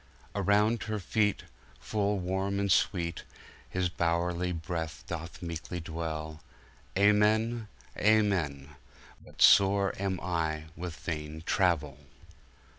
Around her feetFull Warme and SweeteHis bowerie Breath doth meeklie dwell:Amen, Amen:But sore am I with Vaine Travel!